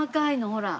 ほら。